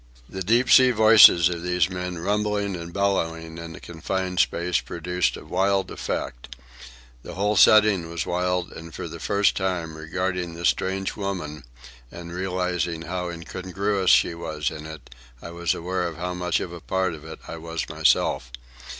The deep sea voices of these men, rumbling and bellowing in the confined space, produced a wild effect. The whole setting was wild, and for the first time, regarding this strange woman and realizing how incongruous she was in it, I was aware of how much a part of it I was myself.